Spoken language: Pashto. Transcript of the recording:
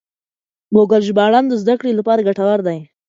ګوګل ژباړن د زده کړې لپاره ګټور دی.